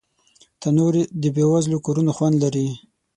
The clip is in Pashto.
تنور د بې وزلو کورونو خوند لري